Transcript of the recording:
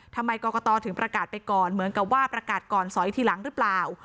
ทำไมกรกตถึงประกาศไปก่อนเหมือนกับว่าประกาศก่อนสอยทีหลังหรือเปล่า